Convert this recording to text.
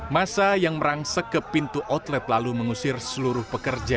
masa yang merangsek ke pintu outlet lalu mengusir seluruh pekerja